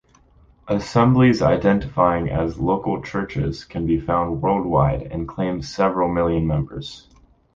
Assemblies identifying as "local churches" can be found worldwide and claim several million members.